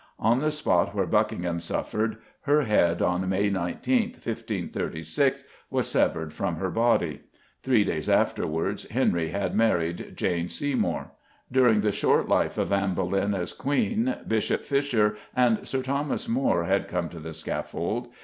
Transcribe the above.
On the spot where Buckingham suffered, her head, on May 19, 1536, was severed from her body. Three days afterwards Henry had married Jane Seymour. During the short life of Anne Boleyn as Queen, Bishop Fisher and Sir Thomas More had come to the scaffold.